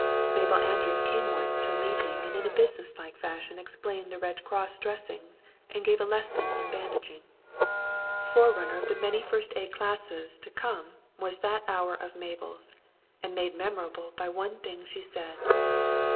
Mabel Andrews came once to a meeting and in businesslike fashion explained the Red Cross dressings and gave a lesson in bandaging. Forerunner of the many first aid classes to come was that hour of Mabel's, and made memorable by one thing she said.